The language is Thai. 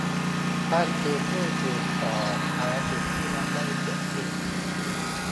ท่านคือผู้สานต่อภารกิจที่ยังไม่เสร็จสิ้น